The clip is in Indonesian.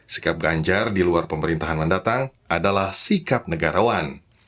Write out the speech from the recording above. sikap ganjar di luar pemerintahan mendatang adalah sikap negarawan